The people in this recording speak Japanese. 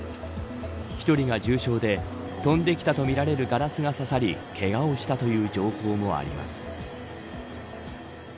１人が重傷で飛んできたとみられるガラスが刺さりけがをしたという情報もあります。